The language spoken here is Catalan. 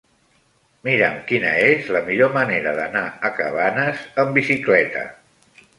Mira'm quina és la millor manera d'anar a Cabanes amb bicicleta.